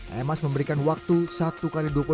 hemas memberikan waktu satu kali